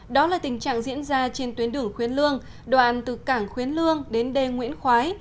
đó là tình trạng diễn ra trên tuyến đường khuyến lương đoạn từ cảng khuyến lương đến d nguyễn khoái